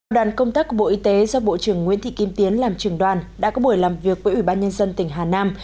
đoàn công tác của bộ y tế do bộ trưởng nguyễn thị kim tiến làm trường đoàn đã có buổi làm việc với ủy ban nhân dân tỉnh hà nam